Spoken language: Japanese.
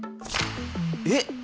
えっ！？